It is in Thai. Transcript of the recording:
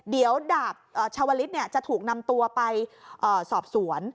เดี๋ยวดาบชาวลิศจะถูกนำตัวไปสอบสวน